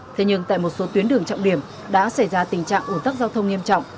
thế nhưng tại một số tuyến đường trọng điểm đã xảy ra tình trạng ủn tắc giao thông nghiêm trọng